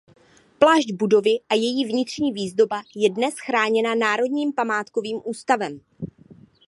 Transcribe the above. Plášť budovy a její vnitřní výzdoba je dnes chráněna Národním památkovým ústavem.